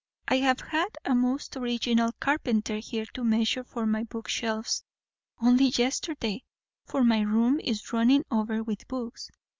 I have had a most original carpenter here to measure for my book shelves, only yesterday; for my room is running over with books.